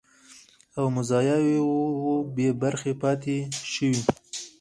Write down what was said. او مزایاوو بې برخې پاتې شوي